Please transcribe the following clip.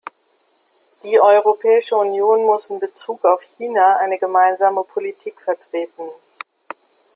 Die Europäische Union muss in bezug auf China eine gemeinsame Politik vertreten.